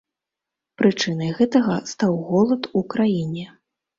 Прычынай гэтага стаў голад у краіне.